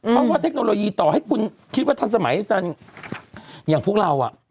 เพราะว่าเทคโนโลยีต่อให้คุณคิดว่าทำสมัยอย่างทุกเรา